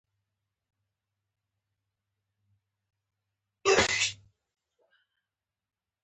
د جیمز ویب ټېلسکوپ څېړنې حیرانوونکې دي.